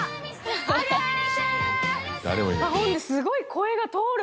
あっほんですごい声が通る